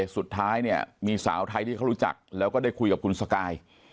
สุดท้ายเนี่ยมีสาวไทยที่เขารู้จักแล้วก็ได้คุยกับคุณสกาย